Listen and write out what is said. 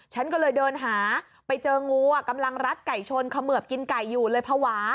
ฉันก็เลยเดินหาไปเจองูกำลังรัดไก่ชนเขมือบกินไก่อยู่เลยภาวะ